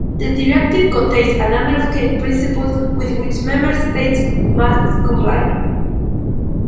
The directive contains a number of key principles with which member states must comply.